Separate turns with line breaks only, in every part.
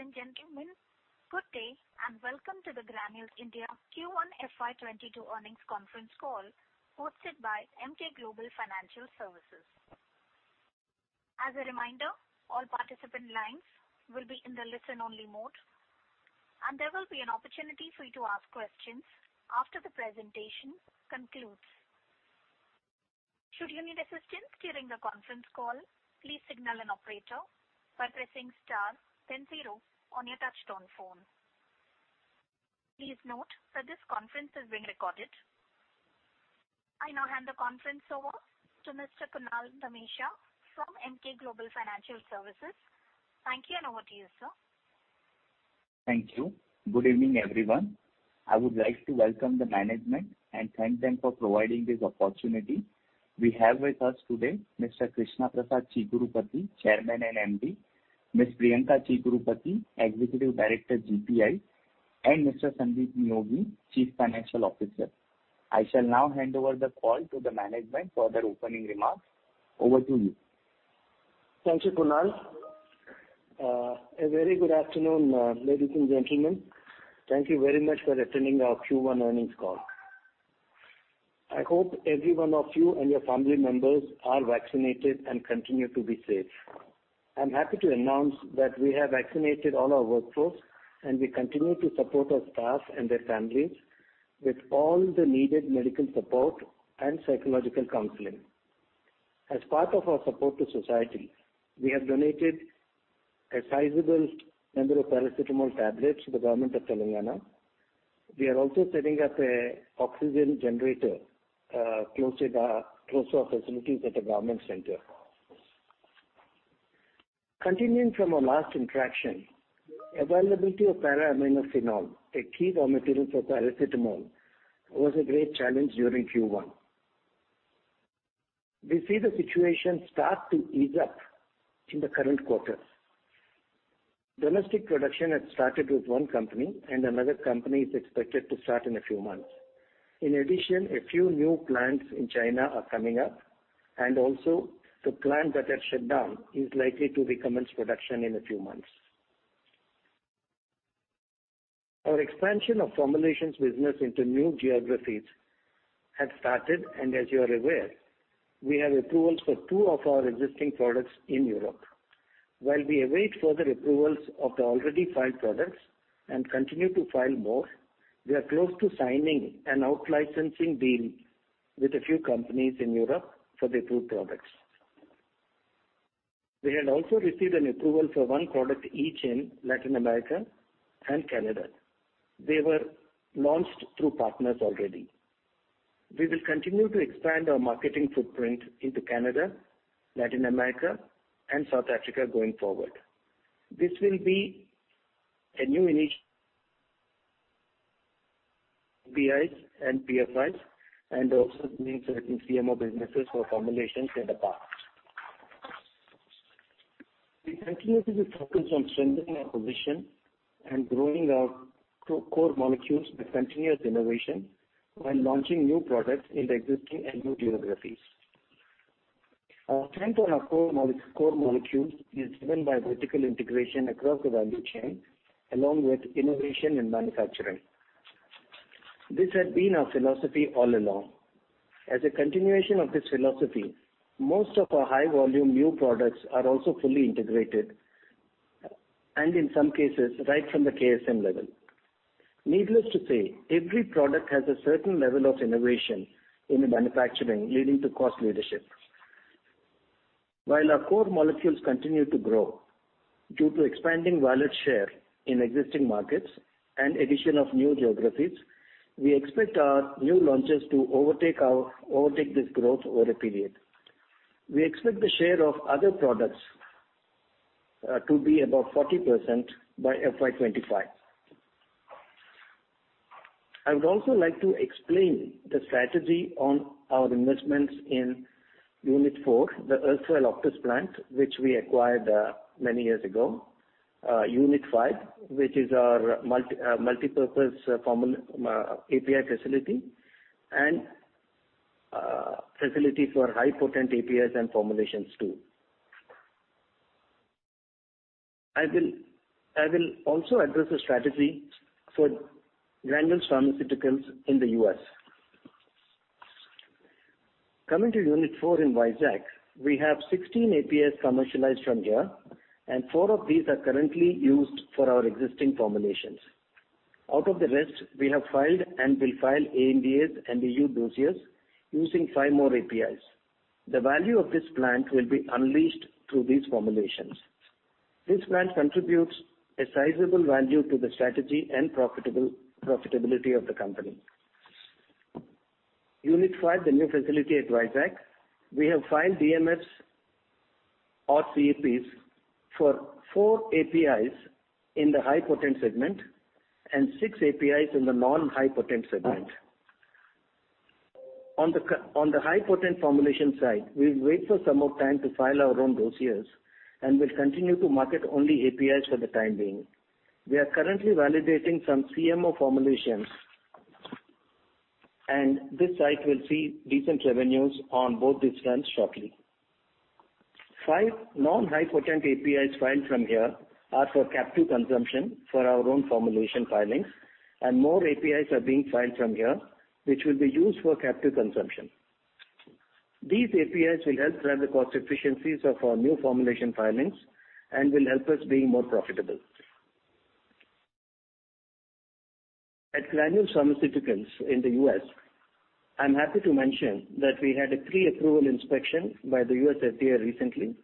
Ladies and gentlemen, good day, welcome to the Granules India Q1 FY 2022 Earnings Conference Call hosted by Emkay Global Financial Services. As a reminder, all participant lines will be in the listen-only mode, and there will be an opportunity for you to ask questions after the presentation concludes. Should you need assistance during the conference call, please signal an operator by pressing star 0 on your touch-tone phone. Please note that this conference is being recorded. I now hand the conference over to Mr.Kunal Dhamesha from Emkay Global Financial Services. Thank you, over to you, sir.
Thank you. Good evening, everyone. I would like to welcome the management and thank them for providing this opportunity. We have with us today Mr. Krishna Prasad Chigurupati, Chairman and MD, Ms. Priyanka Chigurupati, Executive Director, GPI, and Mr. Sandip Neogi, Chief Financial Officer. I shall now hand over the call to the management for their opening remarks. Over to you.
Thank you, Kunal. A very good afternoon, ladies and gentlemen. Thank you very much for attending our Q1 earnings call. I hope every one of you and your family members are vaccinated and continue to be safe. I'm happy to announce that we have vaccinated all our workforce, and we continue to support our staff and their families with all the needed medical support and psychological counseling. As part of our support to society, we have donated a sizable number of paracetamol tablets to the government of Telangana. We are also setting up an oxygen generator close to our facilities at the government center. Continuing from our last interaction, availability of para-aminophenol, a key raw material for paracetamol, was a great challenge during Q1. We see the situation start to ease up in the current quarter. Domestic production has started with one company, and another company is expected to start in a few months. In addition, a few new plants in China are coming up, and also the plant that had shut down is likely to recommence production in a few months. Our expansion of formulations business into new geographies had started, and as you are aware, we have approvals for two of our existing products in Europe. While we await further approvals of the already filed products and continue to file more, we are close to signing an out-licensing deal with a few companies in Europe for the approved products. We had also received an approval for one product each in Latin America and Canada. They were launched through partners already. We will continue to expand our marketing footprint into Canada, Latin America, and South Africa going forward. This will be a new initiative API and PFI, and also means certain CMO businesses for formulations in the past. We continue to be focused on strengthening our position and growing our core molecules with continuous innovation while launching new products into existing and new geographies. Our strength on our core molecules is driven by vertical integration across the value chain, along with innovation in manufacturing. This has been our philosophy all along. As a continuation of this philosophy, most of our high-volume new products are also fully integrated, and in some cases, right from the KSM level. Needless to say, every product has a certain level of innovation in manufacturing, leading to cost leadership. While our core molecules continue to grow due to expanding wallet share in existing markets and addition of new geographies, we expect our new launches to overtake this growth over a period. We expect the share of other products to be about 40% by FY 2025. I would also like to explain the strategy on our investments in unit 4, the Auctus Pharma plant, which we acquired many years ago, unit 5, which is our multipurpose API facility, and facility for high potent APIs and formulations, too. I will also address the strategy for Granules Pharmaceuticals in the U.S. Coming to unit 4 in Vizag, we have 16 APIs commercialized from here, and four of these are currently used for our existing formulations. Out of the rest, we have filed and will file ANDAs and EU dossiers using five more APIs. The value of this plant will be unleashed through these formulations. This plant contributes a sizable value to the strategy and profitability of the company. Unit 5, the new facility at Vizag, we have filed DMFs or CEPs for 4 APIs in the high potent segment and 6 APIs in the non-high potent segment. On the high potent formulation side, we'll wait for some more time to file our own dossiers and will continue to market only APIs for the time being. We are currently validating some CMO formulations. This site will see decent revenues on both these plants shortly. Five non-high potent APIs filed from here are for captive consumption for our own formulation filings. More APIs are being filed from here, which will be used for captive consumption. These APIs will help drive the cost efficiencies of our new formulation filings and will help us being more profitable. At Granules Pharmaceuticals in the U.S., I am happy to mention that we had a pre-approval inspection by the U.S. FDA recently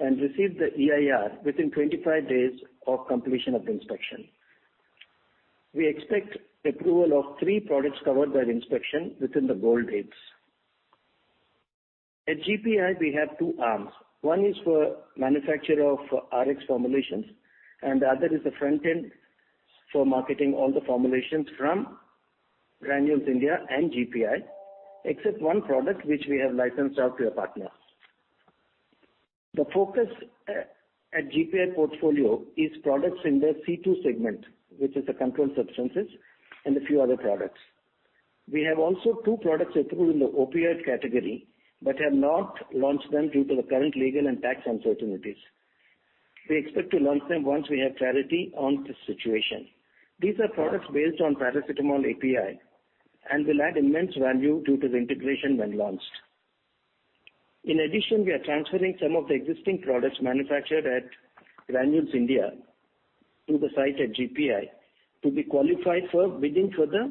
and received the EIR within 25 days of completion of the inspection. We expect approval of three products covered by the inspection within the goal dates. At GPI, we have two arms. One is for manufacture of RX formulations, and the other is the front-end for marketing all the formulations from Granules India and GPI, except one product which we have licensed out to a partner. The focus at GPI portfolio is products in the Schedule II segment, which is the controlled substances, and a few other products. We have also two products approved in the opioid category, but have not launched them due to the current legal and tax uncertainties. We expect to launch them once we have clarity on this situation. These are products based on paracetamol API and will add immense value due to the integration when launched. In addition, we are transferring some of the existing products manufactured at Granules India to the site at GPI to be qualified for bidding for the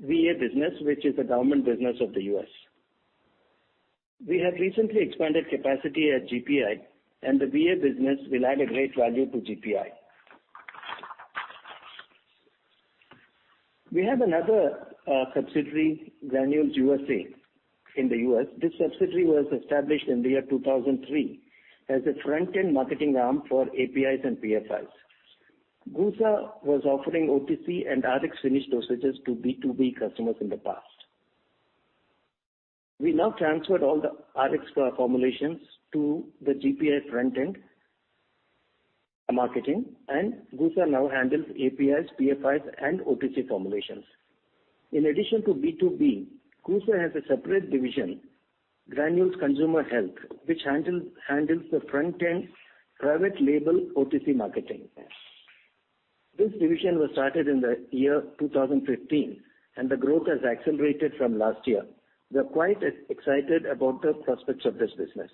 VA business, which is a government business of the U.S. We have recently expanded capacity at GPI, the VA business will add a great value to GPI. We have another subsidiary, Granules USA, in the U.S. This subsidiary was established in the year 2003 as a front-end marketing arm for APIs and PFIs. GUSA was offering OTC and RX finished dosages to B2B customers in the past. We now transferred all the RX formulations to the GPI front-end marketing, GUSA now handles APIs, PFIs, and OTC formulations. In addition to B2B, GUSA has a separate division, Granules Consumer Health, which handles the front-end private label OTC marketing. This division was started in the year 2015, and the growth has accelerated from last year. We are quite excited about the prospects of this business.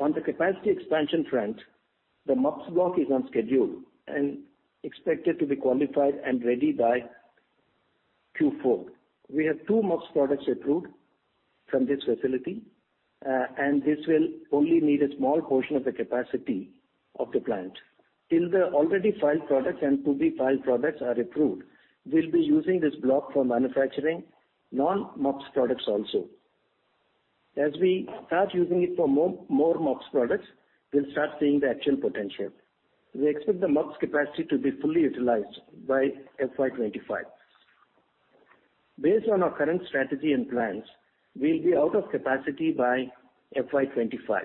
On the capacity expansion front, the MUPS block is on schedule and expected to be qualified and ready by Q4. We have two MUPS products approved from this facility, and this will only need a small portion of the capacity of the plant. Till the already filed products and to-be-filed products are approved, we'll be using this block for manufacturing non-MUPS products also. As we start using it for more MUPS products, we'll start seeing the actual potential. We expect the MUPS capacity to be fully utilized by FY 2025. Based on our current strategy and plans, we'll be out of capacity by FY 2025.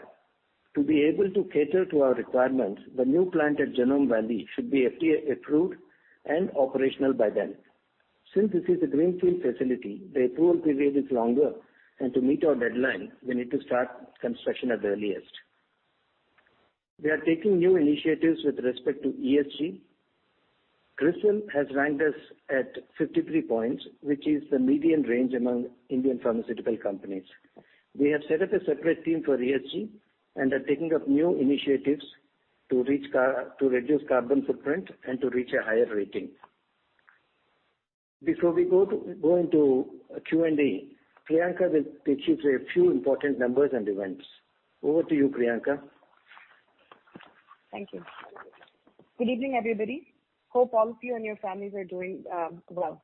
To be able to cater to our requirements, the new plant at Genome Valley should be FDA-approved and operational by then. Since this is a greenfield facility, the approval period is longer, to meet our deadline, we need to start construction at the earliest. We are taking new initiatives with respect to ESG. CRISIL has ranked us at 53 points, which is the median range among Indian pharmaceutical companies. We have set up a separate team for ESG and are taking up new initiatives to reduce carbon footprint and to reach a higher rating. Before we go into Q&A, Priyanka will take you through a few important numbers and events. Over to you, Priyanka.
Thank you. Good evening, everybody. Hope all of you and your families are doing well.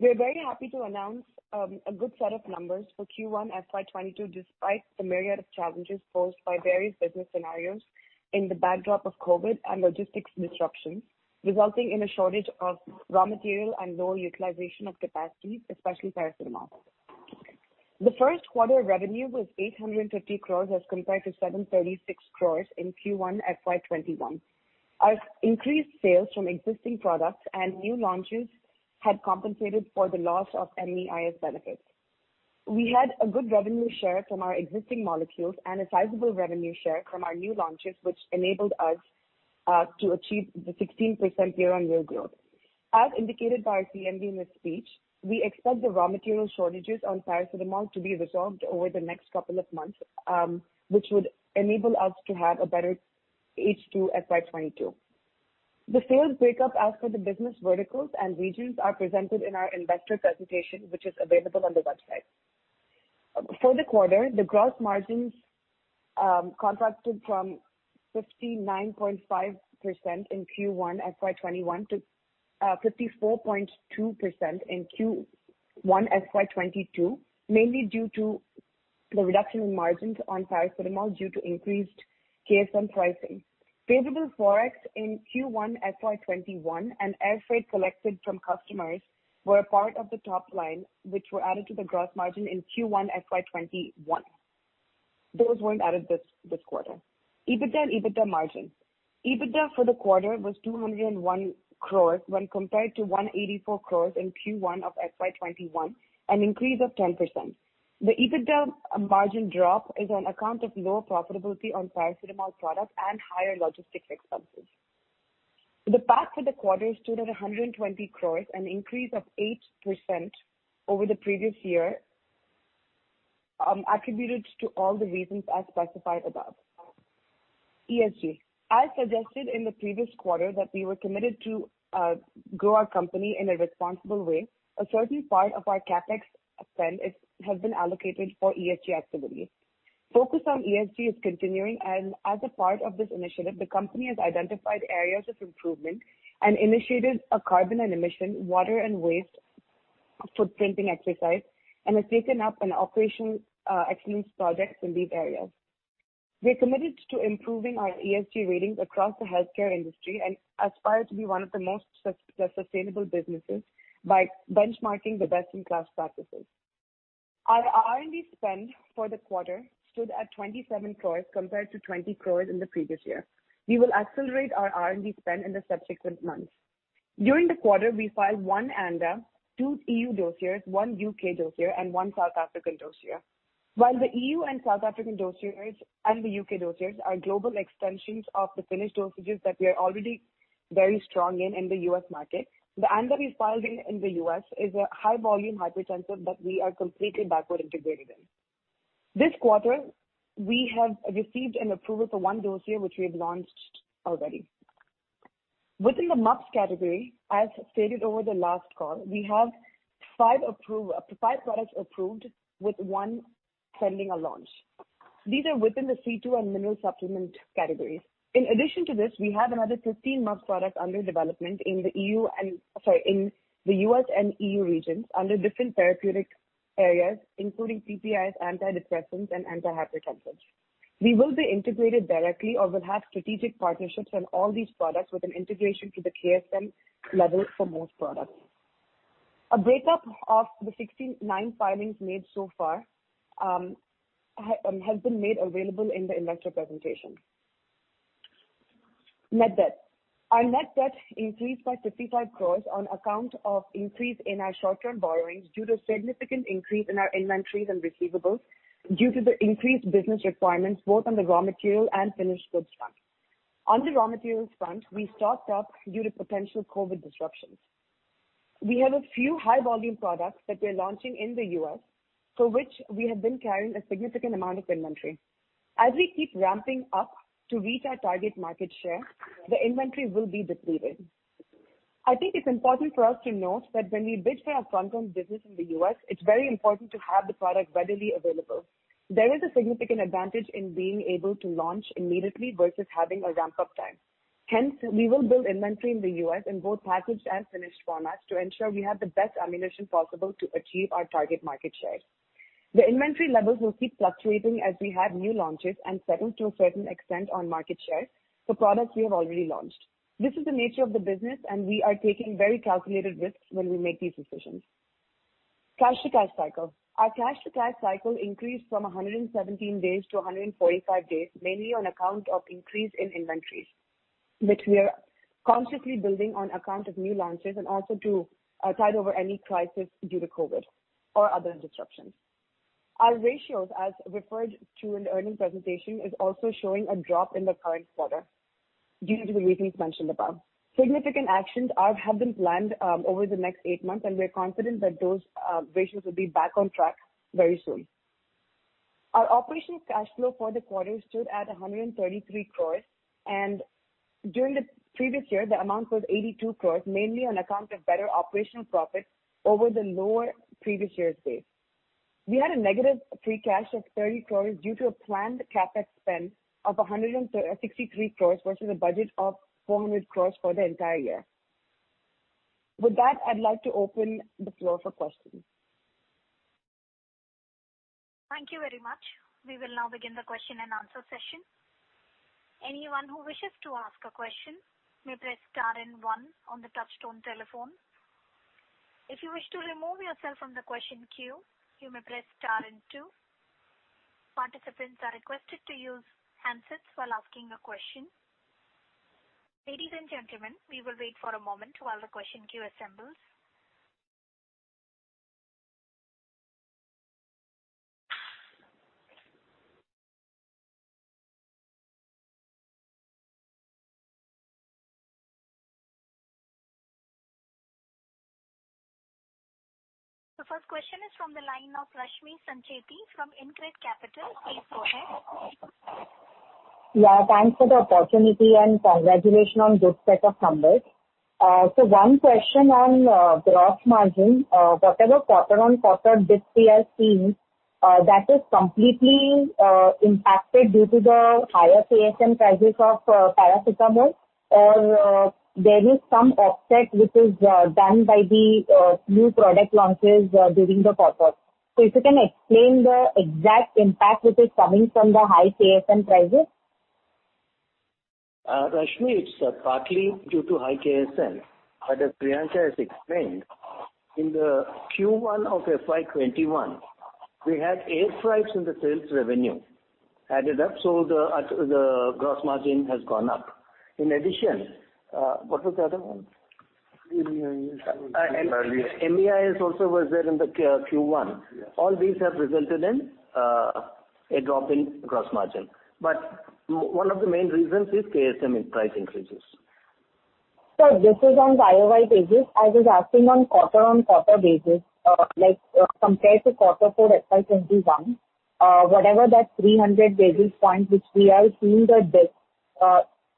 We're very happy to announce a good set of numbers for Q1 FY 2022, despite the myriad of challenges posed by various business scenarios in the backdrop of COVID and logistics disruptions, resulting in a shortage of raw material and low utilization of capacities, especially paracetamol. The first quarter revenue was 850 crores as compared to 736 crores in Q1 FY 2021. Our increased sales from existing products and new launches had compensated for the loss of MEIS benefits. We had a good revenue share from our existing molecules and a sizable revenue share from our new launches, which enabled us to achieve the 16% year-on-year growth. As indicated by CMD in his speech, we expect the raw material shortages on paracetamol to be resolved over the next couple of months, which would enable us to have a better H2 FY 2022. The sales breakup as per the business verticals and regions are presented in our investor presentation, which is available on the website. For the quarter, the gross margins contracted from 59.5% in Q1 FY 2021 to 54.2% in Q1 FY 2022, mainly due to the reduction in margins on paracetamol due to increased KSM pricing. Favorable Forex in Q1 FY 2021 and air freight collected from customers were a part of the top line, which were added to the gross margin in Q1 FY 2021. Those weren't added this quarter. EBITDA and EBITDA margins. EBITDA for the quarter was 201 crores when compared to 184 crores in Q1 of FY 2021, an increase of 10%. The EBITDA margin drop is on account of lower profitability on paracetamol products and higher logistics expenses. The PAT for the quarter stood at 120 crores, an increase of 8% over the previous year, attributed to all the reasons I specified above. ESG. I suggested in the previous quarter that we were committed to grow our company in a responsible way. A certain part of our CapEx spend has been allocated for ESG activities. Focus on ESG is continuing, and as a part of this initiative, the company has identified areas of improvement and initiated a carbon emission, water, and waste footprinting exercise and has taken up an operation excellence project in these areas. We're committed to improving our ESG ratings across the healthcare industry and aspire to be one of the most sustainable businesses by benchmarking the best-in-class practices. Our R&D spend for the quarter stood at 27 crore compared to 20 crore in the previous year. We will accelerate our R&D spend in the subsequent months. During the quarter, we filed 1 ANDA, 2 EU dossiers, 1 U.K. dossier, and 1 South African dossier. While the EU and South African dossiers and the U.K. dossiers are global extensions of the finished dosages that we are already very strong in the U.S. market, the ANDA we filed in the U.S. is a high-volume hypertensive that we are completely backward-integrated in. This quarter, we have received an approval for one dossier, which we have launched already. Within the MUPS category, as stated over the last call, we have five products approved with one pending a launch. These are within the CII and mineral supplement categories. In addition to this, we have another 15 MUPS products under development in the U.S. and EU regions under different therapeutic areas, including PPIs, antidepressants, and antihypertensives. We will be integrated directly or will have strategic partnerships on all these products with an integration to the KSM level for most products. A breakup of the 69 filings made so far has been made available in the investor presentation. Net debt. Our net debt increased by 55 crores on account of increase in our short-term borrowings due to significant increase in our inventories and receivables due to the increased business requirements, both on the raw material and finished goods front. On the raw materials front, we stocked up due to potential COVID disruptions. We have a few high-volume products that we're launching in the U.S. for which we have been carrying a significant amount of inventory. As we keep ramping up to reach our target market share, the inventory will be depleted. I think it's important for us to note that when we bid for our front-end business in the U.S., it's very important to have the product readily available. There is a significant advantage in being able to launch immediately versus having a ramp-up time. Hence, we will build inventory in the U.S. in both packaged and finished formats to ensure we have the best ammunition possible to achieve our target market share. The inventory levels will keep fluctuating as we have new launches and settle to a certain extent on market share for products we have already launched. This is the nature of the business, and we are taking very calculated risks when we make these decisions. Cash to cash cycle. Our cash to cash cycle increased from 117 days to 145 days, mainly on account of increase in inventories, which we are consciously building on account of new launches and also to tide over any crisis due to COVID or other disruptions. Our ratios, as referred to in the earning presentation, are also showing a drop in the current quarter due to the reasons mentioned above. Significant actions have been planned over the next eight months, and we're confident that those ratios will be back on track very soon. Our operational cash flow for the quarter stood at 133 crores, and during the previous year, the amount was 82 crores, mainly on account of better operational profits over the lower previous year's base. We had a negative free cash of 30 crores due to a planned CapEx spend of 163 crores versus a budget of 400 crores for the entire year. With that, I'd like to open the floor for questions.
Thank you very much. We will now begin the question and answer session. Anyone who wishes to ask a question may press star and one on the touchtone telephone. If you wish to remove yourself from the question queue, you may press star and two. Participants are requested to use handsets while asking a question. Ladies and gentlemen, we will wait for a moment while the question queue assembles. The first question is from the line of Rashmi Sancheti from InCred Capital. Please go ahead.
Yeah, thanks for the opportunity and congratulations on good set of numbers. One question on gross margin. Whatever quarter-on-quarter dip we are seeing, that is completely impacted due to the higher KSM prices of paracetamol, or there is some offset which is done by the new product launches during the quarter. If you can explain the exact impact which is coming from the high KSM prices.
Rashmi, it's partly due to high KSM, but as Priyanka has explained, in the Q1 of FY 2021, we had air freights in the sales revenue added up, so the gross margin has gone up. What was the other one?
MEIS. MEIS also was there in the Q1.
All these have resulted in a drop in gross margin. One of the main reasons is KSM price increases.
Sir, this is on YOY basis. I was asking on quarter-on-quarter basis, like compared to quarter four FY 2021, whatever that 300 basis points which we are seeing the dip,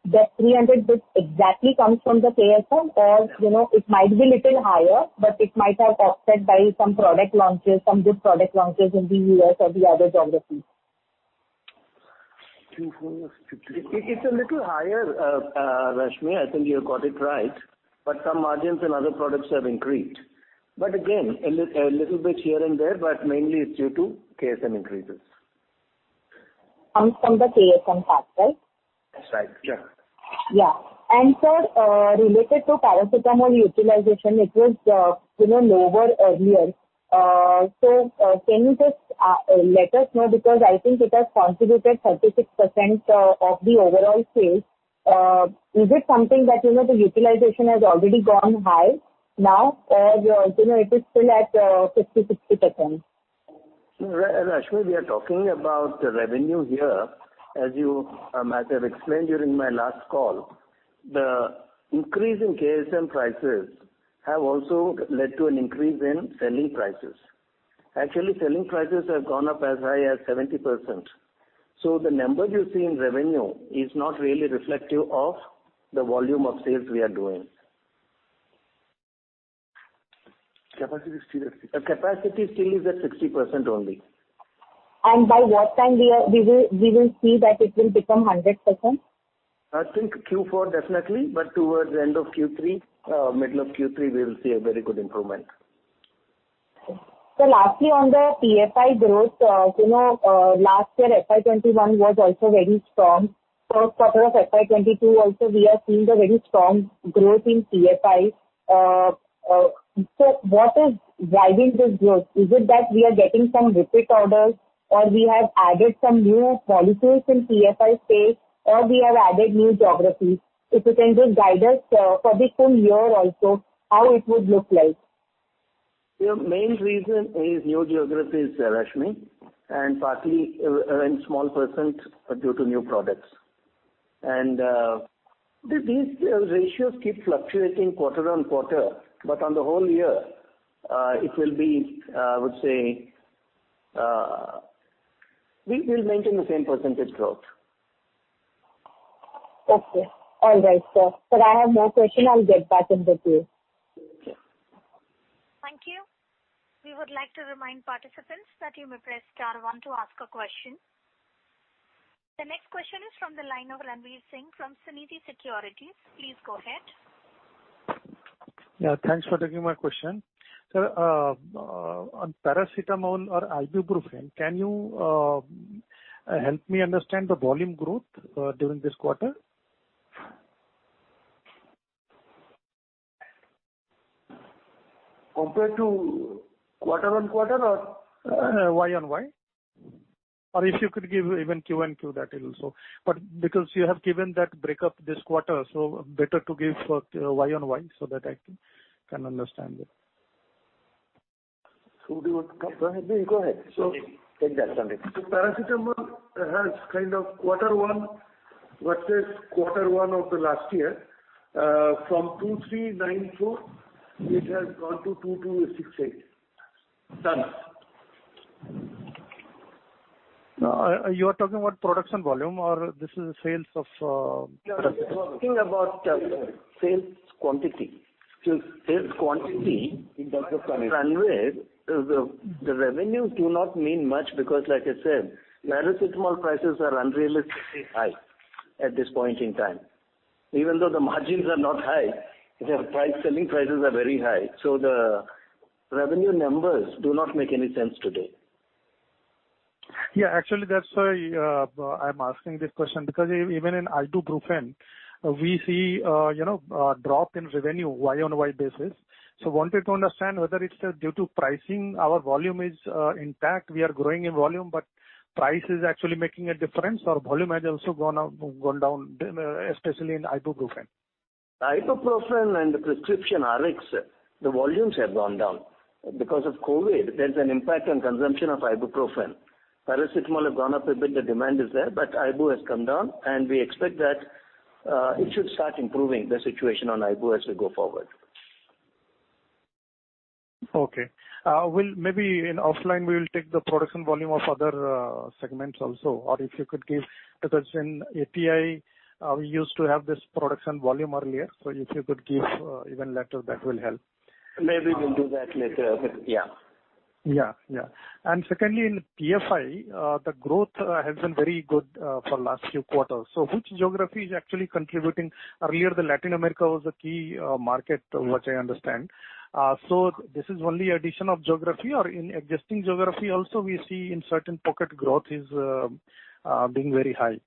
that 300 dip exactly comes from the KSM, or it might be little higher, but it might have offset by some product launches, some good product launches in the U.S. or the other geographies.
It's a little higher, Rashmi. I think you got it right. Some margins and other products have increased. Again, a little bit here and there, but mainly it's due to KSM increases.
Comes from the KSM part, right?
That's right.
Yeah.
Yeah. Sir, related to paracetamol utilization, it was lower earlier. Can you just let us know, because I think it has contributed 36% of the overall sales. Is it something that the utilization has already gone high now or it is still at 50% to 60%?
Rashmi, we are talking about the revenue here. As I might have explained during my last call, the increase in KSM prices have also led to an increase in selling prices. Actually, selling prices have gone up as high as 70%. The number you see in revenue is not really reflective of the volume of sales we are doing.
Capacity is still at 60. Capacity still is at 60% only.
By what time we will see that it will become 100%?
I think Q4 definitely, but towards the end of Q3, middle of Q3, we'll see a very good improvement.
Sir, lastly, on the PFI growth, last year, FY 2021 was also very strong. First quarter of FY 2022 also, we are seeing the very strong growth in PFI. What is driving this growth? Is it that we are getting some repeat orders or we have added some new products in PFI space, or we have added new geographies? If you can just guide us for the full year also, how it would look like.
The main reason is new geographies, Rashmi, and partly, a small %, due to new products. These ratios keep fluctuating quarter-on-quarter, but on the whole year, it will be, I would say, we will maintain the same % growth.
Okay. All right, sir. Sir, I have no question. I'll get back in the queue.
Okay.
Thank you. We would like to remind participants that you may press star one to ask a question. The next question is from the line of Ranvir Singh from Sunidhi Securities. Please go ahead.
Yeah, thanks for taking my question. Sir, on paracetamol or Ibuprofen, can you help me understand the volume growth during this quarter?
Compared to quarter-on-quarter or?
Y on Y. If you could give even Q on Q, that is also. Because you have given that breakup this quarter, better to give Y on Y so that I can understand it.
Go ahead.
Take that Ranvir.
paracetamol has kind of quarter one versus quarter one of the last year, from 2,394, it has gone to 2,268. Tons.
You are talking about production volume, or this is sales?
No, he's talking about sales quantity.
In terms of tonnage. Ranvir, the revenue do not mean much because, like I said, paracetamol prices are unrealistically high at this point in time. Even though the margins are not high, their selling prices are very high. The revenue numbers do not make any sense today.
Actually, that's why I'm asking this question, because even in Ibuprofen, we see a drop in revenue year-on-year basis. Wanted to understand whether it's due to pricing, our volume is intact, we are growing in volume, but price is actually making a difference, or volume has also gone down, especially in Ibuprofen?
Ibuprofen and the prescription Rx, the volumes have gone down because of COVID. There's an impact on consumption of Ibuprofen. Paracetamol has gone up a bit. The demand is there, but ibu has come down, and we expect that it should start improving the situation on ibu as we go forward.
Okay. Maybe in offline we will take the production volume of other segments also. If you could give, because in API, we used to have this production volume earlier. If you could give even later, that will help.
Maybe we'll do that later. Yeah.
Yeah. Secondly, in PFI, the growth has been very good for last few quarters. Which geography is actually contributing? Earlier, the Latin America was the key market, what I understand. This is only addition of geography or in existing geography also, we see in certain pocket growth is being very high?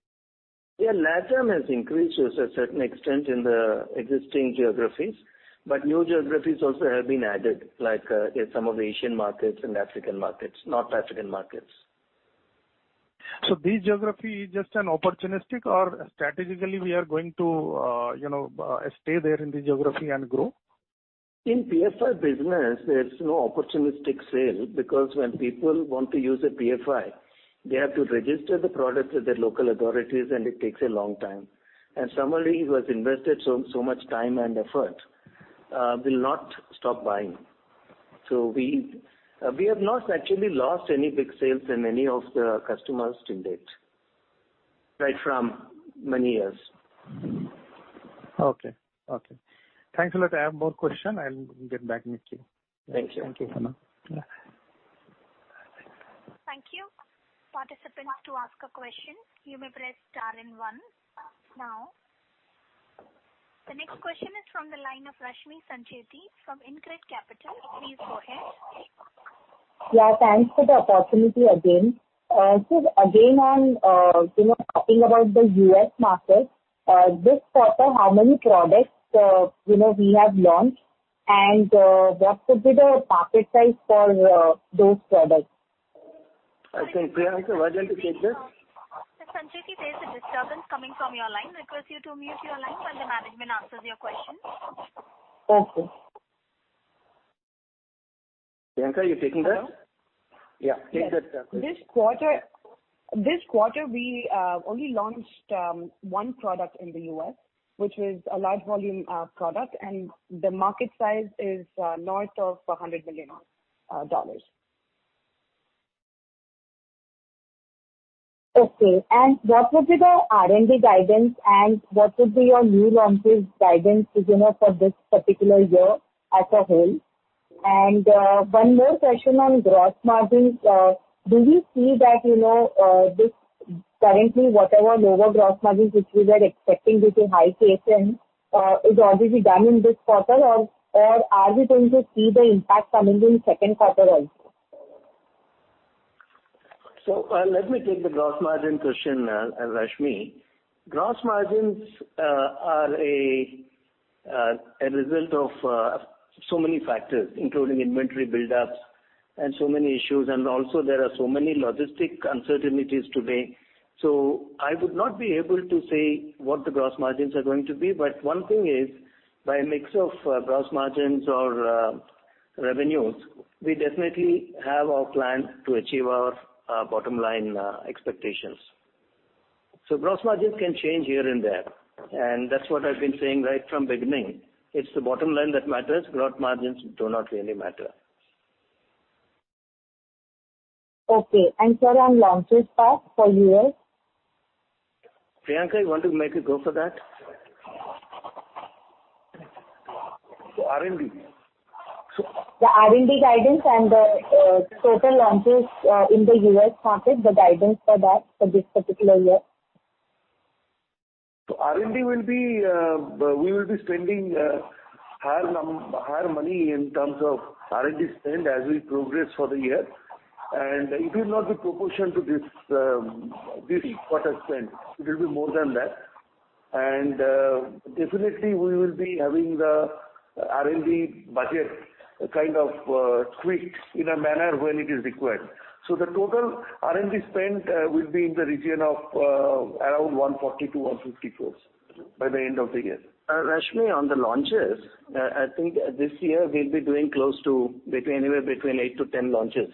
Yeah, Latam has increased to a certain extent in the existing geographies, but new geographies also have been added, like some of the Asian markets and North African markets.
This geography is just an opportunistic or strategically we are going to stay there in the geography and grow?
In PFI business, there's no opportunistic sale because when people want to use a PFI, they have to register the product with their local authorities, and it takes a long time. Somebody who has invested so much time and effort will not stop buying. We have not actually lost any big sales in any of the customers till date, right from many years.
Okay. Thanks a lot. I have more question. I'll get back with you.
Thank you.
Thank you, Hemanth.
Thank you. The next question is from the line of Rashmi Sancheti from InCred Capital. Please go ahead.
Yeah, thanks for the opportunity again. Sir, again on talking about the U.S. market, this quarter, how many products we have launched, and what could be the target size for those products?
Priyanka, would you like to take this?
Sancheti, there's a disturbance coming from your line. Request you to mute your line when the management answers your question.
Okay.
Priyanka, are you taking that? Yeah, take that question.
This quarter, we only launched one product in the U.S., which was a large volume product, and the market size is north of $100 million.
Okay. What would be the R&D guidance and what would be your new launches guidance for this particular year as a whole? One more question on gross margins. Do we see that currently whatever lower gross margins which we were expecting due to high KSM is already done in this quarter or are we going to see the impact coming in second quarter also?
Let me take the gross margin question, Rashmi. Gross margins are a result of so many factors, including inventory buildups and so many issues, and also there are so many logistic uncertainties today. I would not be able to say what the gross margins are going to be, but one thing is, by a mix of gross margins or revenues, we definitely have our plan to achieve our bottom line expectations. Gross margins can change here and there, and that's what I've been saying right from beginning. It's the bottom line that matters. Gross margins do not really matter.
Okay. Sir, on launches part for U.S.?
Priyanka, you want to make a go for that? R&D.
The R&D guidance and the total launches in the U.S. market, the guidance for that for this particular year.
R&D, we will be spending higher money in terms of R&D spend as we progress for the year. It will not be proportion to this quarter spend. It will be more than that. Definitely, we will be having the R&D budget kind of tweaked in a manner when it is required. The total R&D spend will be in the region of around 140-150 crores by the end of the year. Rashmi, on the launches, I think this year we'll be doing anywhere between 8-10 launches.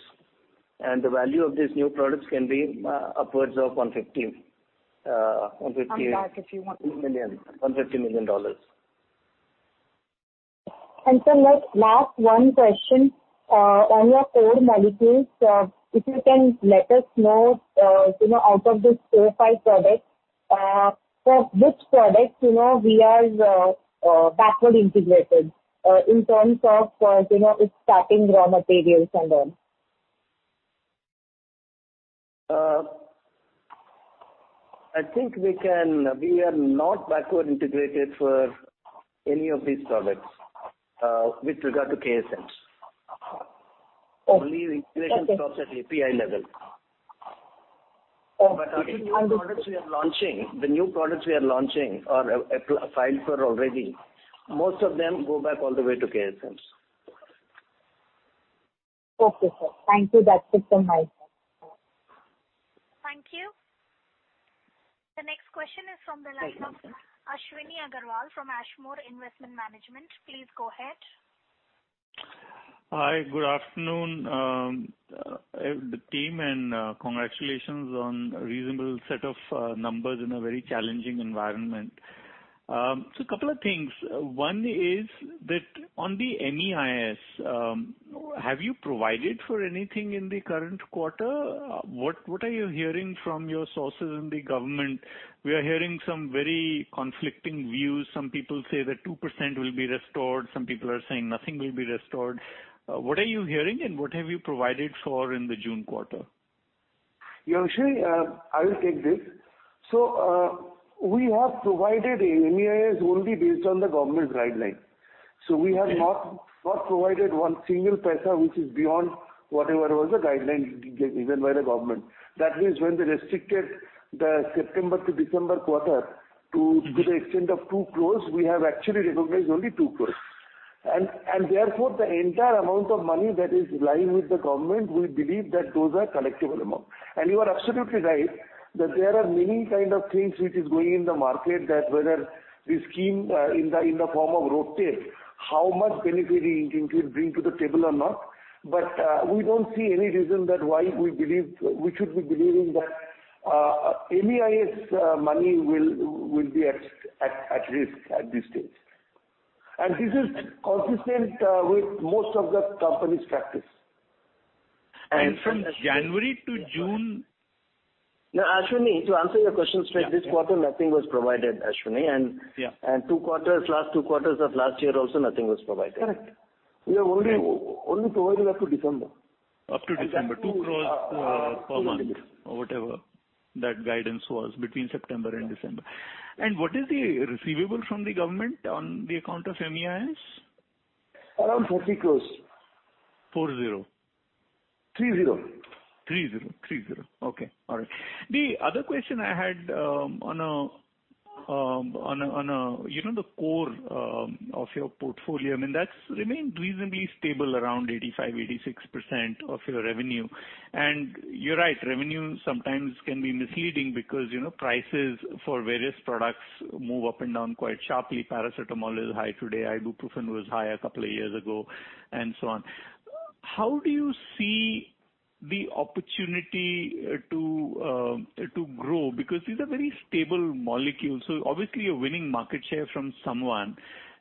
The value of these new products can be upwards of $150 million.
Sir, last one question. On your core molecules, if you can let us know, out of these 4, 5 products, for which product we are backward integrated in terms of its starting raw materials and all?
I think we are not backward integrated for any of these products with regard to KSMs.
Okay.
Only integration stops at API level. The new products we are launching or filed for already, most of them go back all the way to KSMs.
Okay, sir. Thank you. That's it from my side.
Thank you. The next question is from the line of Ashwini Agarwal from Ashmore Investment Management. Please go ahead.
Hi, good afternoon, the team. Congratulations on a reasonable set of numbers in a very challenging environment. Couple of things. One is that on the MEIS, have you provided for anything in the current quarter? What are you hearing from your sources in the government? We are hearing some very conflicting views. Some people say that 2% will be restored. Some people are saying nothing will be restored. What are you hearing, and what have you provided for in the June quarter?
Ashwini, I will take this. We have provided MEIS only based on the government guideline. We have not provided one single paisa which is beyond whatever was the guideline given by the government. That means when they restricted the September to December quarter to the extent of 2 crore, we have actually recognized only 2 crore. Therefore, the entire amount of money that is lying with the government, we believe that those are collectible amount. You are absolutely right, that there are many kind of things which is going in the market that whether the scheme in the form of RoDTEP, how much benefit it will bring to the table or not. We don't see any reason that why we should be believing that MEIS money will be at risk at this stage. This is consistent with most of the company's practice.
From January to June.
No, Ashwini, to answer your question straight, this quarter nothing was provided, Ashwini.
Yeah.
Last two quarters of last year also, nothing was provided.
Correct.
We are only providing up to December.
Up to December. 2 crores per month or whatever that guidance was between September and December. What is the receivable from the government on the account of MEIS?
Around 30 crores.
40?
30.
30. Okay. All right. The other question I had on the core of your portfolio, I mean, that's remained reasonably stable around 85% to 86% of your revenue. You're right, revenue sometimes can be misleading because prices for various products move up and down quite sharply. paracetamol is high today, Ibuprofen was high a couple of years ago, and so on. How do you see the opportunity to grow? Because these are very stable molecules, so obviously you're winning market share from someone.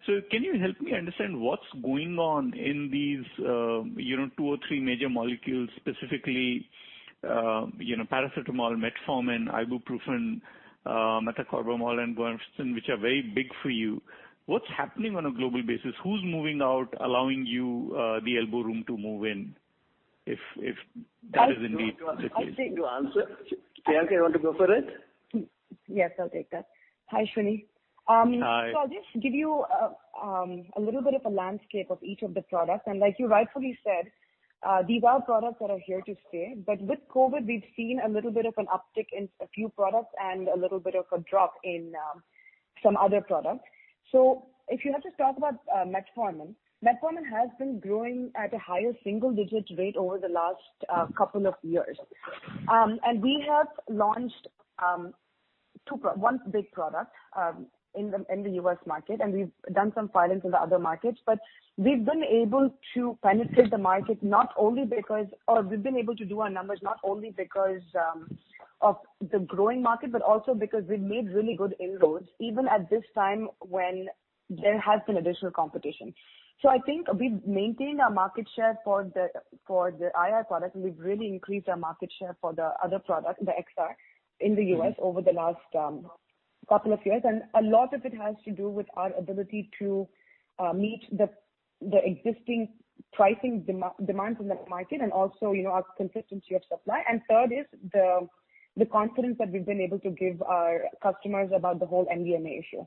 Can you help me understand what's going on in these two or three major molecules, specifically paracetamol, metformin, Ibuprofen, methocarbamol and guaifenesin, which are very big for you. What's happening on a global basis? Who's moving out, allowing you the elbow room to move in, if that is indeed the case?
I'll take to answer. Priyanka, you want to go for it?
Yes, I'll take that. Hi, Ashwini.
Hi.
I'll just give you a little bit of a landscape of each of the products. Like you rightfully said, these are products that are here to stay. With COVID, we've seen a little bit of an uptick in a few products and a little bit of a drop in some other products. If you have to talk about metformin has been growing at a higher single-digit rate over the last couple of years. We have launched one big product in the U.S. market, and we've done some filings in the other markets. We've been able to penetrate the market not only because we've been able to do our numbers, not only because of the growing market, but also because we've made really good inroads, even at this time when there has been additional competition. I think we've maintained our market share for the IR products, and we've really increased our market share for the other product, the XR, in the U.S. over the last two years. A lot of it has to do with our ability to meet the existing pricing demand from that market and also our consistency of supply. Third is the confidence that we've been able to give our customers about the whole NDMA issue.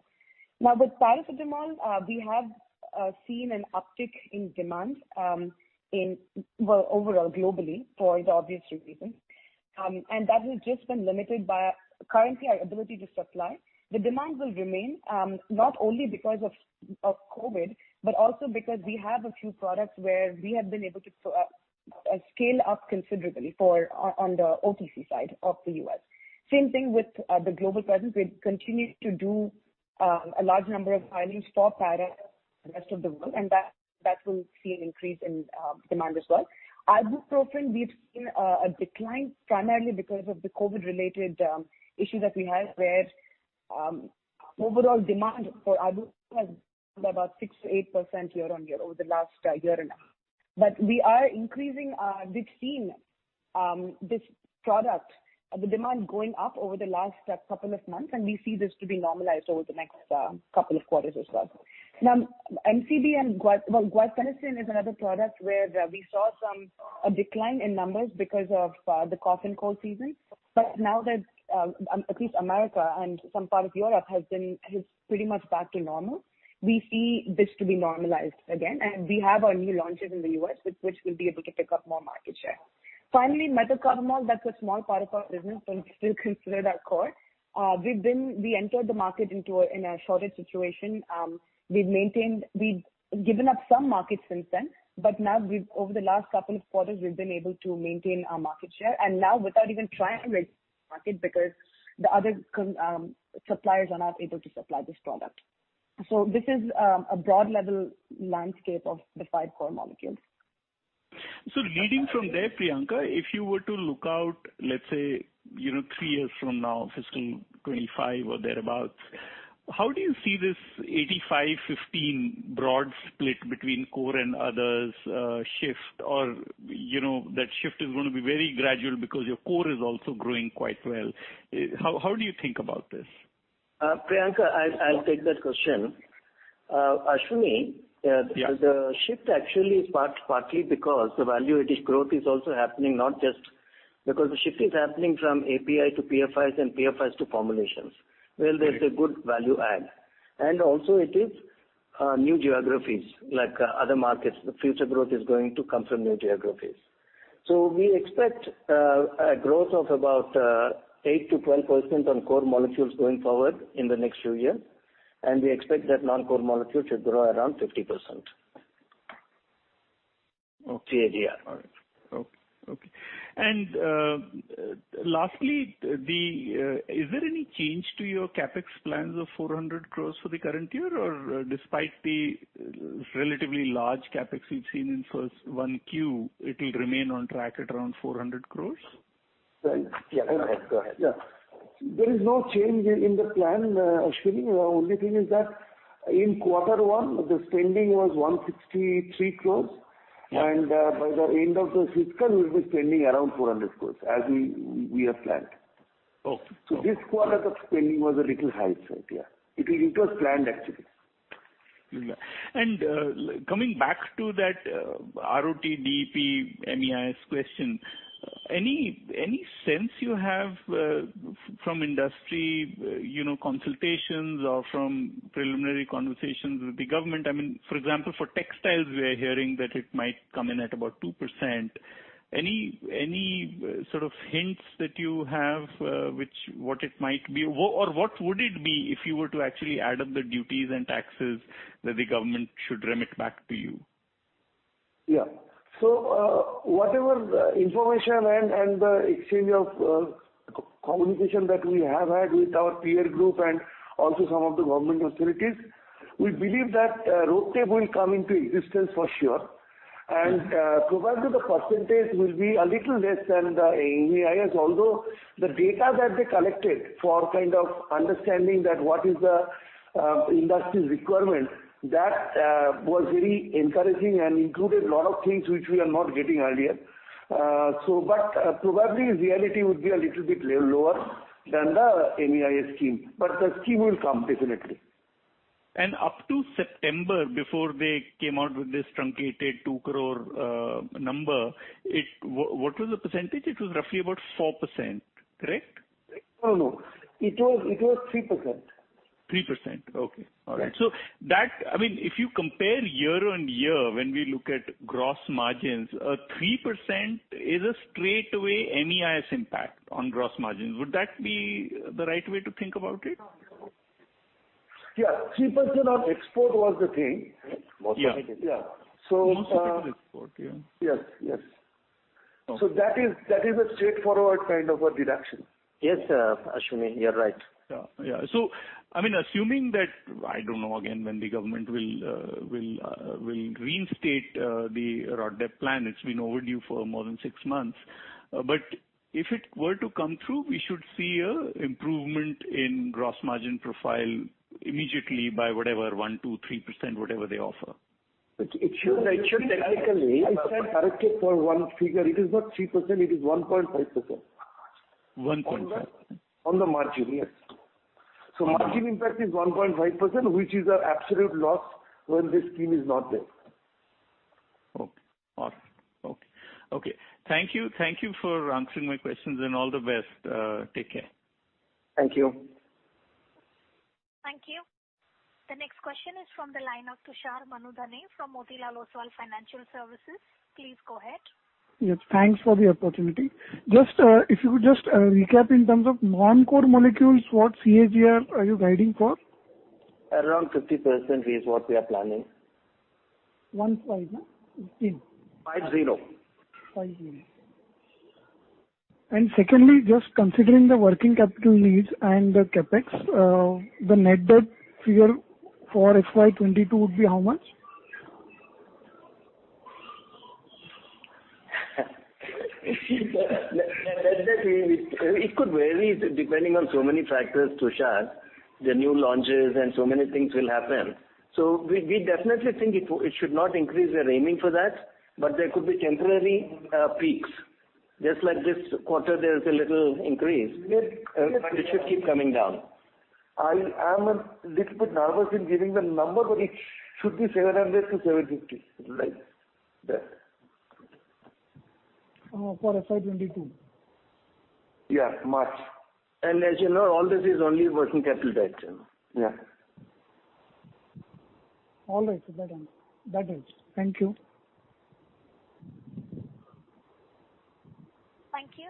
With paracetamol, we have seen an uptick in demand overall globally for the obvious reasons. That has just been limited by currently our ability to supply. The demand will remain, not only because of COVID, but also because we have a few products where we have been able to scale up considerably on the OTC side of the U.S. Same thing with the global presence. We've continued to do a large number of filings for paracetamol in the rest of the world, and that will see an increase in demand as well. Ibuprofen, we've seen a decline primarily because of the COVID-related issues that we had, where overall demand for Ibuprofen has dropped about 6% to 8% year-on-year over the last year and a half. We are increasing. We've seen this product, the demand going up over the last couple of months, and we see this to be normalized over the next couple of quarters as well. Methocarbamol and well, guaifenesin is another product where we saw a decline in numbers because of the cough and cold season. Now that at least America and some part of Europe has pretty much back to normal, we see this to be normalized again. We have our new launches in the U.S., with which we'll be able to pick up more market share. Finally, methocarbamol, that's a small part of our business, but we still consider that core. We entered the market in a shortage situation. We've given up some market since then. Now, over the last couple of quarters, we've been able to maintain our market share, and now without even trying to enter the market because the other suppliers are not able to supply this product. This is a broad level landscape of the 5 core molecules.
Leading from there, Priyanka, if you were to look out, let's say, three years from now, FY 2025 or thereabout, how do you see this 85/15 broad split between core and others shift? That shift is going to be very gradual because your core is also growing quite well. How do you think about this?
Priyanka, I'll take that question. Ashwini
Yeah
The shift actually is partly because the value addition growth is also happening. The shift is happening from API to PFIs and PFIs to formulations, where there is a good value add. Also it is new geographies, like other markets. The future growth is going to come from new geographies. We expect a growth of about 8% to 12% on core molecules going forward in the next few years. We expect that non-core molecules should grow around 50%.
CAGR.
All right. Okay. Lastly, is there any change to your CapEx plans of 400 crores for the current year? Despite the relatively large CapEx we've seen in first 1Q, it will remain on track at around 400 crores?
Right.
Yeah, go ahead.
Yeah.
There is no change in the plan, Ashwini. The only thing is that in quarter one, the spending was 163 crores, and by the end of the fiscal, we'll be spending around 400 crores as we have planned.
Okay.
This quarter the spending was a little high side. Yeah. It was planned, actually.
Coming back to that RoDTEP MEIS question, any sense you have from industry consultations or from preliminary conversations with the government? I mean, for example, for textiles, we are hearing that it might come in at about 2%. Any sort of hints that you have what it might be, or what would it be if you were to actually add up the duties and taxes that the government should remit back to you?
Yeah. Whatever information and the exchange of communication that we have had with our peer group and also some of the government authorities, we believe that RoDTEP will come into existence for sure. Probably the percentage will be a little less than the MEIS, although the data that they collected for kind of understanding that what is the industry's requirement, that was very encouraging and included a lot of things which we are not getting earlier. Probably, reality would be a little bit lower than the MEIS scheme. The scheme will come definitely.
Up to September, before they came out with this truncated 2 crore number, what was the percentage? It was roughly about 4%, correct?
No. It was 3%.
3%. Okay. All right. If you compare year-over-year, when we look at gross margins, 3% is a straightaway MEIS impact on gross margins. Would that be the right way to think about it?
Yeah, 3% on export was the thing. Mostly. Yeah.
Mostly export. Yeah.
Yes. That is a straightforward kind of a deduction. Yes, Ashwini, you're right.
Yeah. I mean, assuming that, I don't know, again, when the government will reinstate the RoDTEP plan. It's been overdue for more than six months. If it were to come through, we should see a improvement in gross margin profile immediately by whatever 1%, 2%, 3%, whatever they offer.
It should.
I stand corrected for one figure. It is not 3%, it is 1.5%.
1.5%.
On the margin, yes. Margin impact is 1.5%, which is an absolute loss when the scheme is not there.
Okay. Awesome. Okay. Thank you for answering my questions. All the best. Take care.
Thank you.
Thank you. The next question is from the line of Tushar Manudhane from Motilal Oswal Financial Services. Please go ahead.
Yes, thanks for the opportunity. If you could just recap in terms of non-core molecules, what CAGR are you guiding for?
Around 50% is what we are planning.
1, 5, no? 15.
5, 0.
5, 0.
Secondly, just considering the working capital needs and the CapEx, the net debt figure for FY 2022 would be how much?
Net debt, it could vary depending on so many factors, Tushar. The new launches and so many things will happen. We definitely think it should not increase. We're aiming for that. There could be temporary peaks. Just like this quarter, there's a little increase. It should keep coming down.
I am a little bit nervous in giving the number, but it should be 700-750, right? There.
For FY 2022?
Yeah, March. As you know, all this is only working capital debt.
Yeah.
All right. That helps. Thank you.
Thank you.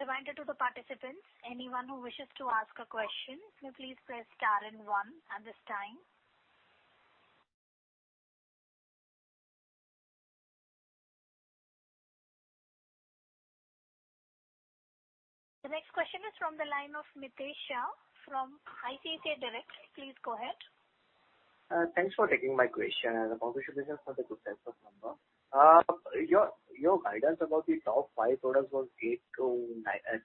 A reminder to the participants. Anyone who wishes to ask a question, please press star and one at this time. The next question is from the line of Mitesh Shah from ICICI Direct. Please go ahead.
Thanks for taking my question. Congratulations on the good set of numbers. Your guidance about the top 5 products was 8% to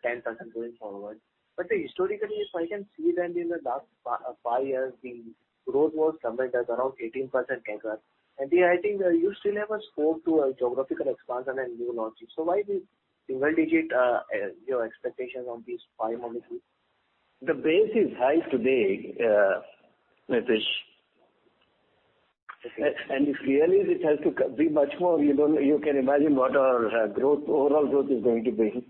10% going forward. Historically, if I can see that in the last five years, the growth was somewhere around 18% CAGR. I think you still have a scope to geographical expansion and new launches. Why the single digit your expectations on these five molecules?
The base is high today, Mitesh Shah. If really this has to be much more, you can imagine what our overall growth is going to be.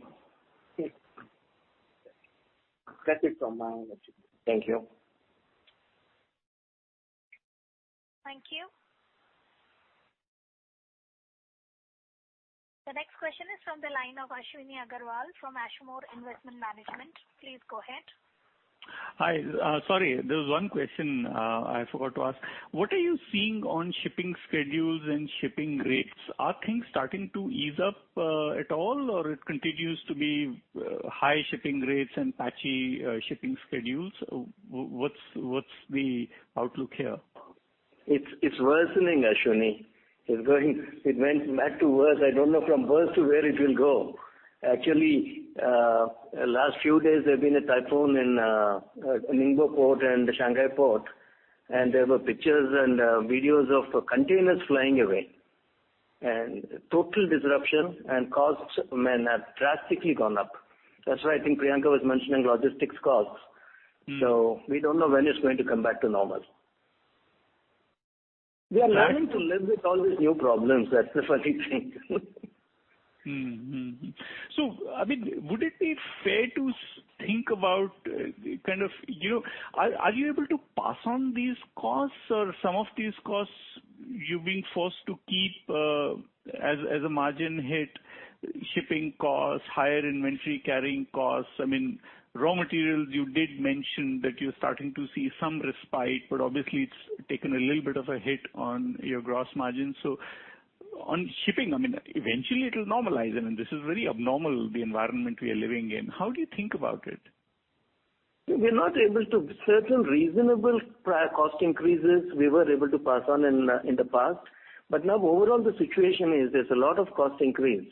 That's it from my end. Thank you.
Thank you. The next question is from the line of Ashwini Agarwal from Ashmore Investment Management. Please go ahead.
Hi. Sorry, there was one question I forgot to ask. What are you seeing on shipping schedules and shipping rates? Are things starting to ease up at all, or it continues to be high shipping rates and patchy shipping schedules? What's the outlook here?
It's worsening, Ashwini. It went bad to worse. I don't know from worse to where it will go. Actually, last few days there's been a typhoon in Ningbo Port and the Shanghai Port, there were pictures and videos of containers flying away. Total disruption and costs have drastically gone up. That's why I think Priyanka was mentioning logistics costs. We don't know when it's going to come back to normal. We are learning to live with all these new problems, that's the funny thing.
Would it be fair to think about, are you able to pass on these costs or some of these costs you're being forced to keep as a margin hit, shipping costs, higher inventory carrying costs? Raw materials, you did mention that you're starting to see some respite, but obviously it's taken a little bit of a hit on your gross margin. On shipping, eventually it'll normalize. I mean, this is very abnormal, the environment we are living in. How do you think about it?
Certain reasonable prior cost increases we were able to pass on in the past. Now overall the situation is, there's a lot of cost increase.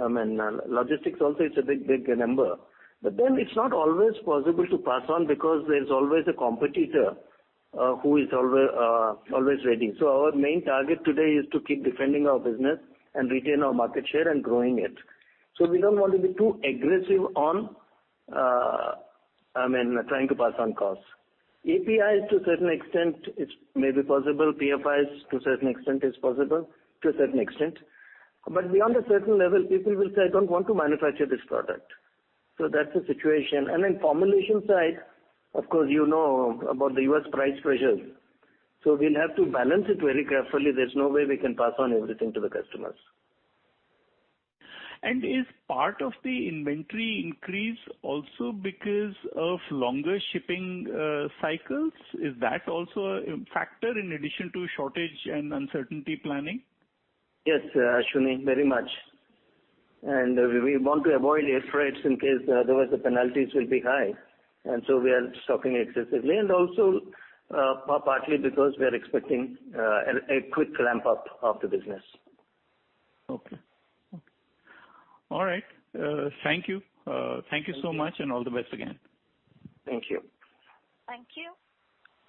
I mean, logistics also, it's a big number. Then it's not always possible to pass on because there's always a competitor who is always waiting. Our main target today is to keep defending our business and retain our market share and growing it. We don't want to be too aggressive on trying to pass on costs. APIs to a certain extent, it may be possible. PFIs, to a certain extent, is possible. To a certain extent. Beyond a certain level, people will say, "I don't want to manufacture this product." That's the situation. Then formulation side, of course you know about the U.S. price pressures. We'll have to balance it very carefully. There's no way we can pass on everything to the customers.
Is part of the inventory increase also because of longer shipping cycles? Is that also a factor in addition to shortage and uncertainty planning?
Yes Ashwini, very much. We want to avoid air freights in case, otherwise the penalties will be high. We are stocking excessively. Also, partly because we are expecting a quick ramp-up of the business.
Okay. All right. Thank you. Thank you so much, and all the best again.
Thank you.
Thank you.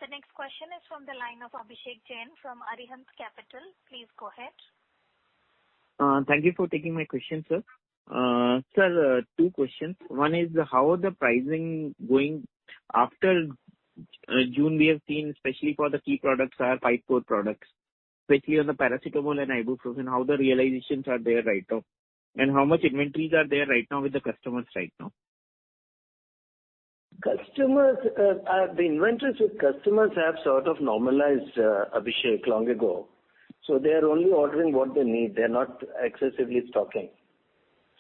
The next question is from the line of Abhishek Jain from Arihant Capital. Please go ahead.
Thank you for taking my question, sir. Sir, two questions. One is, how are the pricing going after June we have seen, especially for the key products or five core products, especially on the paracetamol and Ibuprofen, how the realizations are there right now. How much inventories are there right now with the customers right now?
The inventories with customers have sort of normalized, Abhishek, long ago. They're only ordering what they need. They're not excessively stocking.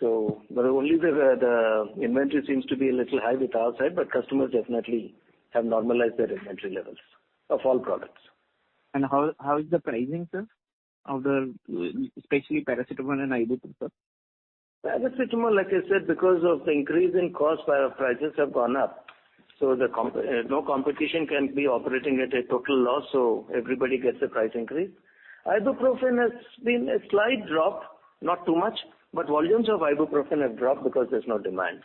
Only the inventory seems to be a little high with our side, but customers definitely have normalized their inventory levels of all products.
How is the pricing, sir? Especially paracetamol and Ibuprofen, sir.
Paracetamol, like I said, because of the increase in cost, prices have gone up. No competition can be operating at a total loss, so everybody gets a price increase. Ibuprofen has seen a slight drop, not too much, but volumes of Ibuprofen have dropped because there's no demand.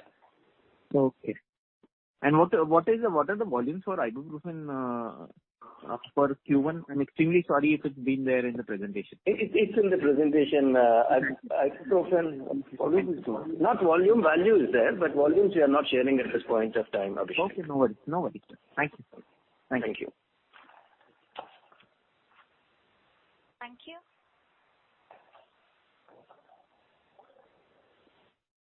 Okay. What are the volumes for Ibuprofen for Q1? I'm extremely sorry if it's been there in the presentation.
It's in the presentation. Ibuprofen, not volume, value is there, but volumes we are not sharing at this point of time, Abhishek.
Okay, no worries. Thank you, sir.
Thank you.
Thank you.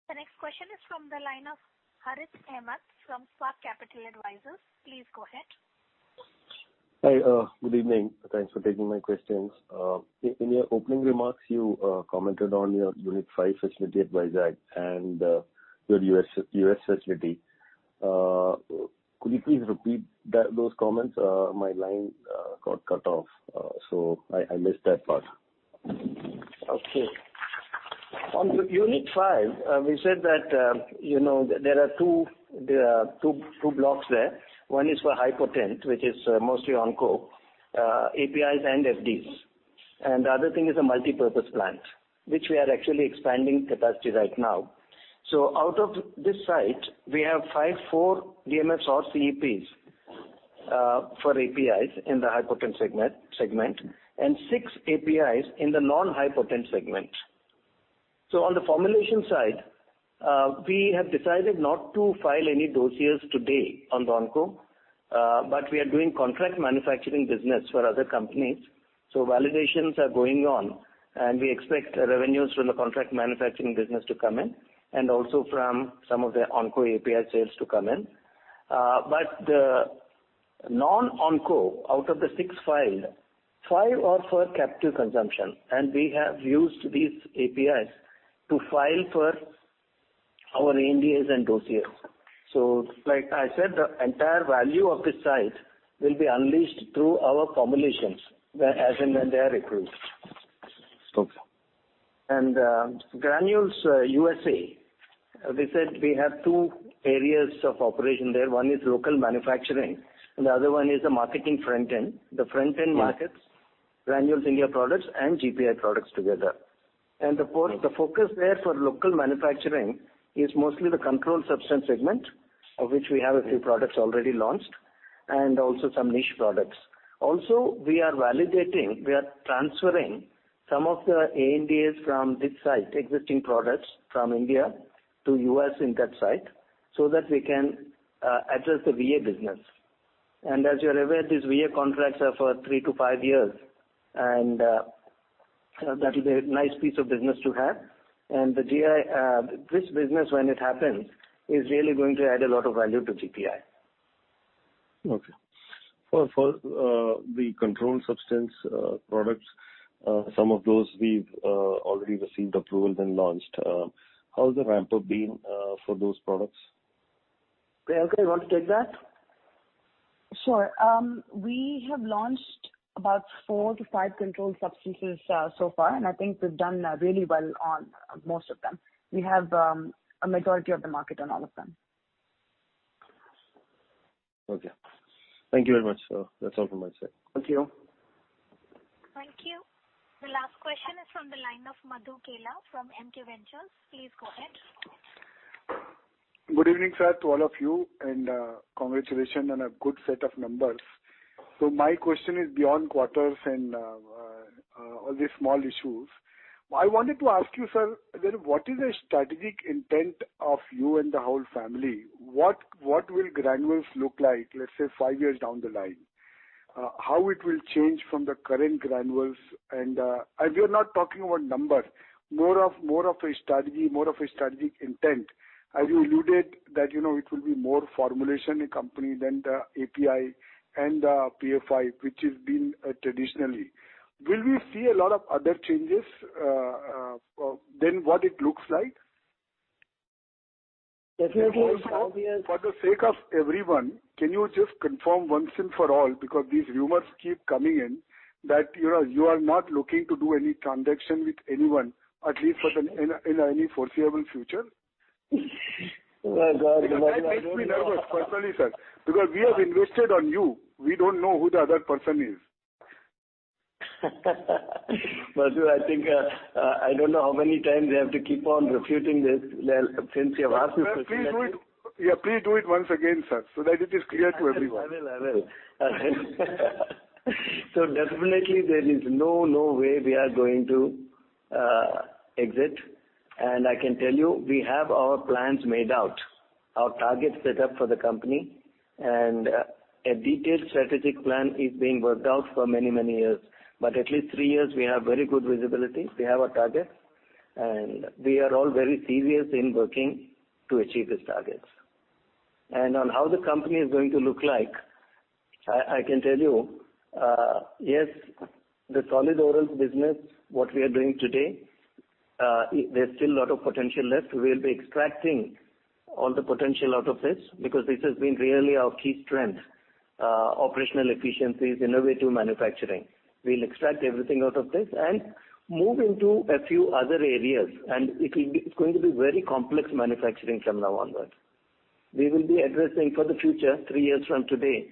The next question is from the line of Harit Ahmad from Schwab Capital Advisors. Please go ahead.
Hi, good evening. Thanks for taking my questions. In your opening remarks, you commented on your unit five facility at Vizag and your U.S. facility. Could you please repeat those comments? My line got cut off, so I missed that part.
Okay. On unit 5, we said that there are two blocks there. One is for high potent, which is mostly Onco, APIs and FDs. The other thing is a multipurpose plant, which we are actually expanding capacity right now. Out of this site, we have 4 DMFs or CEPs for APIs in the high potent segment, and 6 APIs in the non-high potent segment. On the formulation side, we have decided not to file any dossiers today on Onco, but we are doing contract manufacturing business for other companies. Validations are going on, and we expect revenues from the contract manufacturing business to come in, and also from some of the Onco API sales to come in. The non-Onco, out of the 6 filed, 5 are for captive consumption, and we have used these APIs to file for our ANDAs and dossiers. Like I said, the entire value of this site will be unleashed through our formulations as and when they are approved.
Okay.
Granules USA, we said we have two areas of operation there. One is local manufacturing, and the other one is the marketing front end. The front end markets Granules India products and GPI products together. Of course, the focus there for local manufacturing is mostly the controlled substance segment, of which we have a few products already launched, and also some niche products. Also, we are validating, we are transferring some of the ANDAs from this site, existing products from India to U.S. in that site, so that we can address the VA business. As you're aware, these VA contracts are for three to five years, and that will be a nice piece of business to have. This business, when it happens, is really going to add a lot of value to GPI.
Okay. For the controlled substance products, some of those we've already received approval and launched. How has the ramp-up been for those products?
Priyanka, can you want to take that?
Sure. We have launched about four to five controlled substances so far, and I think we've done really well on most of them. We have a majority of the market on all of them.
Okay. Thank you very much. That's all from my side.
Thank you.
Thank you. The last question is from the line of Madhu Kela from MK Ventures. Please go ahead.
Good evening, sir, to all of you, and congratulations on a good set of numbers. My question is beyond quarters and all these small issues. I wanted to ask you, sir, what is the strategic intent of you and the whole family? What will Granules look like, let's say, five years down the line? How it will change from the current Granules? We're not talking about numbers. More of a strategy, more of a strategic intent. As you alluded that it will be more formulation company than the API and the PFI, which it's been traditionally. Will we see a lot of other changes than what it looks like?
Definitely-
Also, for the sake of everyone, can you just confirm once and for all, because these rumors keep coming in, that you are not looking to do any transaction with anyone, at least in any foreseeable future?
My God.
That makes me nervous personally, sir, because we have invested on you. We don't know who the other person is.
Madhu, I don't know how many times we have to keep on refuting this since you've asked me this question.
Please do it once again, sir, so that it is clear to everyone.
I will. Definitely there is no way we are going to exit. I can tell you, we have our plans made out, our targets set up for the company, and a detailed strategic plan is being worked out for many, many years. At least three years, we have very good visibility. We have our targets, and we are all very serious in working to achieve these targets. On how the company is going to look like, I can tell you, yes, the solid oral business, what we are doing today, there's still a lot of potential left. We'll be extracting all the potential out of this because this has been really our key strength, operational efficiencies, innovative manufacturing. We'll extract everything out of this and move into a few other areas, and it's going to be very complex manufacturing from now onwards. We will be addressing for the future, three years from today.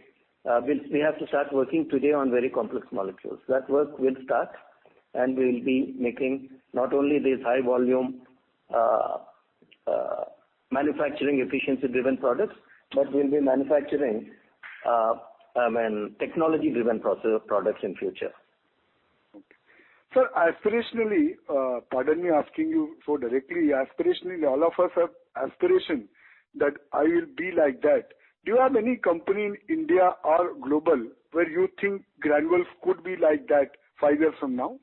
We have to start working today on very complex molecules. That work will start, and we'll be making not only these high volume manufacturing efficiency-driven products, but we'll be manufacturing technology-driven products in future.
Okay. Sir, aspirationally, pardon me asking you so directly, aspirationally, all of us have aspiration that I will be like that. Do you have any company in India or global where you think Granules could be like that five years from now?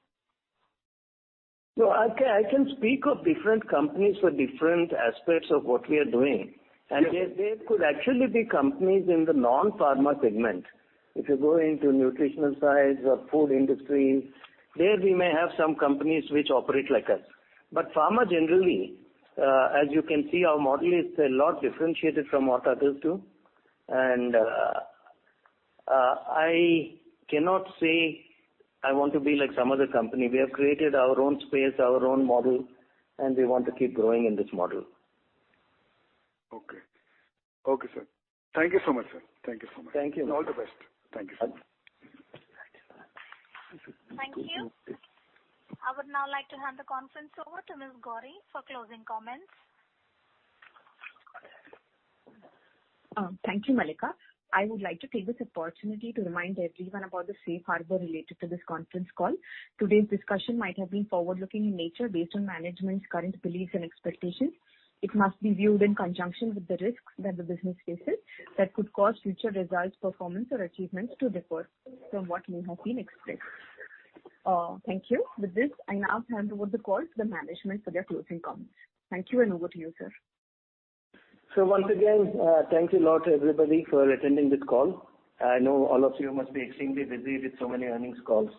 I can speak of different companies for different aspects of what we are doing.
Yes.
There could actually be companies in the non-pharma segment. If you go into nutritional sides or food industry, there we may have some companies which operate like us. Pharma generally, as you can see, our model is a lot differentiated from what others do. I cannot say I want to be like some other company. We have created our own space, our own model, and we want to keep growing in this model.
Okay. Okay, sir. Thank you so much.
Thank you.
All the best. Thank you so much.
Thank you. I would now like to hand the conference over to Ms. Gauri for closing comments.
Thank you, Mallika. I would like to take this opportunity to remind everyone about the safe harbor related to this conference call. Today's discussion might have been forward-looking in nature based on management's current beliefs and expectations. It must be viewed in conjunction with the risks that the business faces that could cause future results, performance, or achievements to differ from what may have been expressed. Thank you. With this, I now hand over the call to the management for their closing comments. Thank you, and over to you, sir.
Once again, thank you a lot, everybody, for attending this call. I know all of you must be extremely busy with so many earnings calls.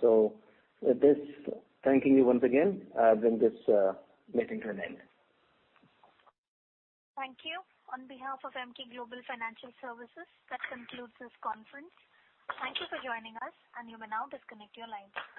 With this, thanking you once again, I bring this meeting to an end.
Thank you. On behalf of Emkay Global Financial Services, that concludes this conference. Thank you for joining us, and you may now disconnect your lines.